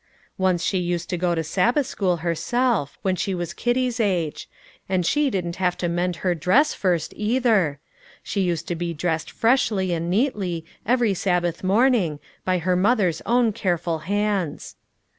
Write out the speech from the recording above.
Once she used to go to Sabbath school herself, when she was Kitty's age; and she didn't have to mend her dress first, either; she used to be dressed freshly and neatly, every Sabbath morning, by her mother's own careful hands.